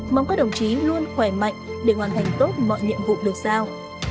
mong các đồng chí luôn khỏe mạnh để hoàn thành tốt mọi nhiệm vụ được sao